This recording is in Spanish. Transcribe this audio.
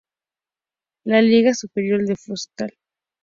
La Liga Superior de Futsal.